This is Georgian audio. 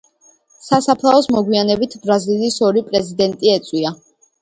სასაფლაოს მოგვიანებით ბრაზილიის ორი პრეზიდენტი ეწვია.